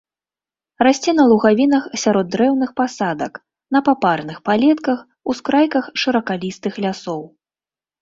Расце на лугавінах сярод дрэўных пасадак, на папарных палетках, ускрайках шыракалістых лясоў.